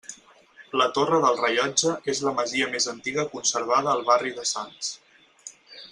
La Torre del Rellotge és la masia més antiga conservada al barri de Sants.